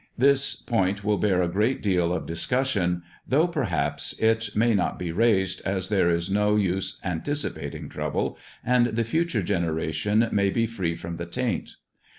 This point will bear a great deal of dis 162 THE dwarf's chamber cussion, though, perhaps, it may not be raised, as there is no use anticipating trouble, and the future generation may be free from the taint.